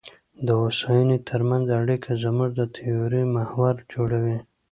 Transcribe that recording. د هوساینې ترمنځ اړیکه زموږ د تیورۍ محور جوړوي.